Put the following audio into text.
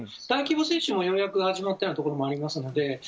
大規模接種もようやく始まったところもありますので。